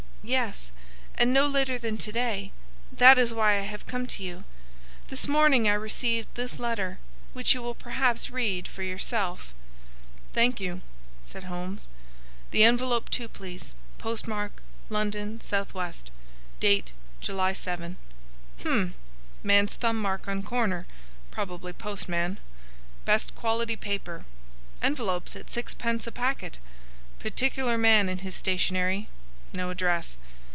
"Yes, and no later than to day. That is why I have come to you. This morning I received this letter, which you will perhaps read for yourself." "Thank you," said Holmes. "The envelope too, please. Postmark, London, S.W. Date, July 7. Hum! Man's thumb mark on corner,—probably postman. Best quality paper. Envelopes at sixpence a packet. Particular man in his stationery. No address.